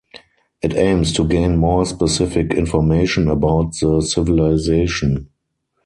It aims to gain more specific information about the civilization.